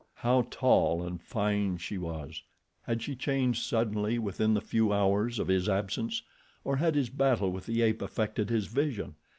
How tall and fine she was! Had she changed suddenly within the few hours of his absence, or had his battle with the ape affected his vision?